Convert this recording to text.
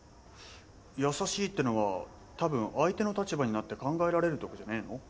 優しいってのはたぶん相手の立場になって考えられるとかじゃねえの？